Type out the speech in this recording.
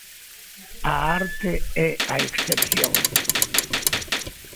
A arte é a excepción.